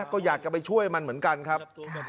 ก็อยากจะไปช่วยมันเหมือนกันครับ